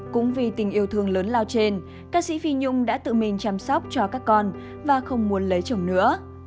cũng vì tình yêu thương lớn lao trên các sĩ phi nhung đã tự mình chăm sóc cho các con và không muốn lấy chồng nữa